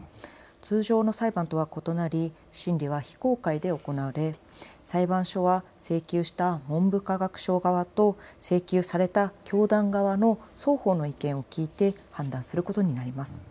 通常の裁判とは異なり審理は非公開で行われ裁判所は請求した文部科学省側と請求された教団側の双方の意見を聴いて判断することになります。